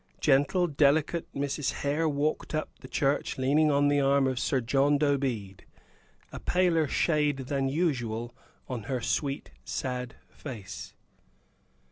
Gentle, delicate Mrs. Hare walked up the church leaning on the arm of Sir John Dobede, a paler shade than usual on her sweet, sad face.